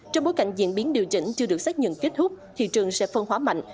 trong bối cảnh diễn biến điều chỉnh chưa được xác nhận kết thúc thị trường sẽ phân hóa mạnh